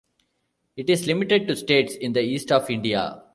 It is limited to states in the East of India.